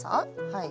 はい。